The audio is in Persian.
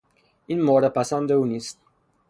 این مورد پسند او نیست.